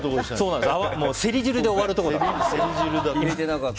セリ汁で終わるところでした。